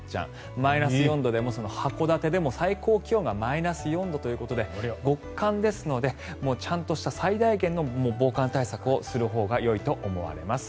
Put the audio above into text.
マイナス４度、函館でも最高気温がマイナス４度ということで極寒ですのでちゃんとした最大限の防寒対策をするほうがよいと思われます。